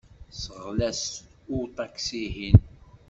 Sɣel-as i uṭaksi-ihin.